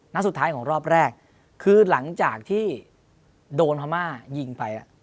นัดสุดท้ายของรอบแรกคือหลังจากที่โดนพม่ายิงไป